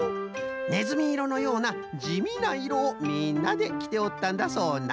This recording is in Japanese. ねずみいろのようなじみないろをみんなできておったんだそうな。